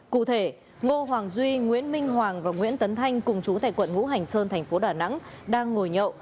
cụ thể ngô hoàng duy nguyễn minh hoàng và nguyễn tấn thanh cùng chú tại quận ngũ hành sơn thành phố đà nẵng đang ngồi nhậu